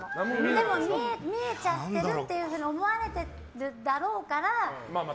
でも、見えちゃってるって思われてるだろうから。